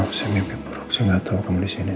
maaf sih mimpi buruk sih gak tau kamu disini